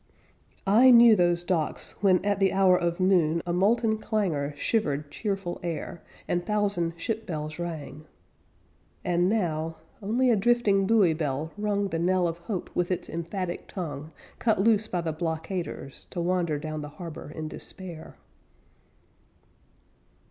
I knew those docks When at the hour of noon A molten clangor shivered cheerful air And thousand ship bells rang And now only a drifting buoy bell rung The knell of hope with its emphatic tongue, Cut loose by the blockaders To wander down the harbor in despair.